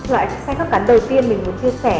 loại sai khớp cắn đầu tiên mình muốn chia sẻ